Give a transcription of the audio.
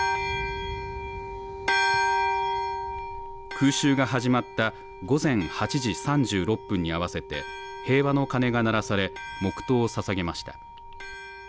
空襲が始まった午前８時３６分に合わせて平和の鐘が鳴らされ黙とうをささげました。